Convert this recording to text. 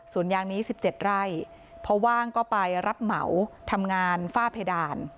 ศูนยางนี้สิบเจ็ดไร่เพราะว่างก็ไปรับเหมาทำงานฝ้าเพดาน